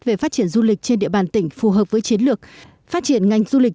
về phát triển du lịch trên địa bàn tỉnh phù hợp với chiến lược phát triển ngành du lịch